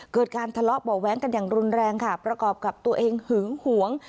เกิดการทะเลาะเบาะแว้งกันอย่างรุนแรงค่ะประกอบกับตัวเองหึงหวง